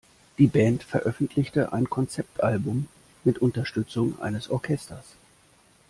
Die Band veröffentlichte ein Konzeptalbum mit Unterstützung eines Orchesters.